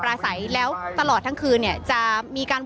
อย่างที่บอกไปว่าเรายังยึดในเรื่องของข้อ